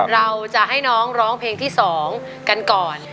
เราจะให้น้องร้องเพลงที่๒กันก่อน